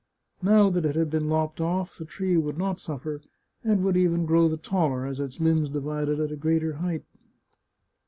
Now that it had been lopped oflF, the tree would not suffer, and would even grow the taller, as its limbs divided at a greater height.